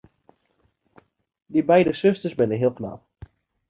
Dy beide susters binne heel knap.